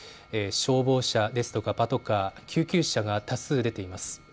消防車ですとかパトカー救急車が多数出ています。